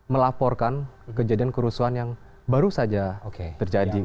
melaporkan kejadian kerusuhan yang baru saja terjadi